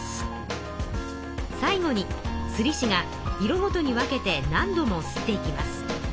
最後に刷り師が色ごとに分けて何度も刷っていきます。